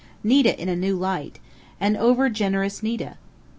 Nita in a new light an over generous Nita!